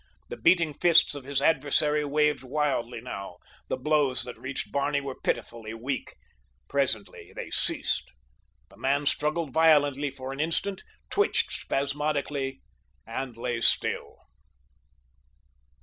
The beating fists of his adversary waved wildly now—the blows that reached Barney were pitifully weak. Presently they ceased. The man struggled violently for an instant, twitched spasmodically and lay still.